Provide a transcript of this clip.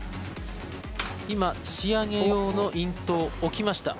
今、仕上げ用の印刀、置きました。